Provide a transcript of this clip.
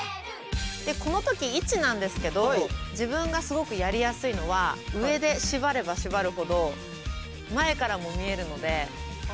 この時位置なんですけど自分がすごくやりやすいのは上で縛れば縛るほど前からも見えるのでおすすめです。